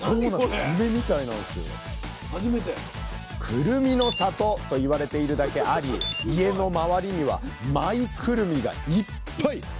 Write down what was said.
くるみの里と言われているだけあり家の周りにはマイくるみがいっぱい！